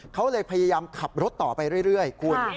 เขาเลยพยายามขับรถต่อไปเรื่อยคุณ